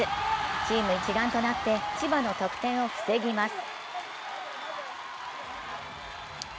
チーム一丸となって千葉の得点を防ぎます。